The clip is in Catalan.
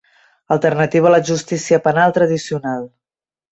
Alternativa a la justícia penal tradicional.